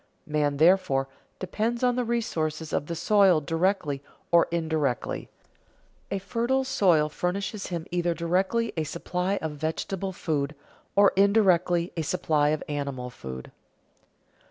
Man, therefore, depends on the resources of the soil directly or indirectly; a fertile soil furnishes him either directly a supply of vegetable food, or indirectly a supply of animal food.